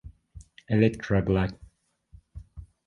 Elytra black.